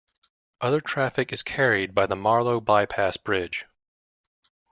Other traffic is carried by the Marlow By-pass Bridge.